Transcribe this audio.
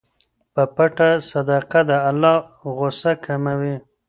په پټه صدقه د الله غصه کموي.